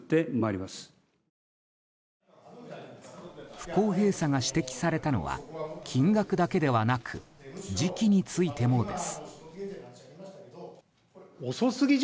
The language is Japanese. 不公平さが指摘されたのは金額だけではなく時期についてもです。